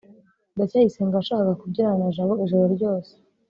ndacyayisenga yashakaga kubyinana na jabo ijoro ryose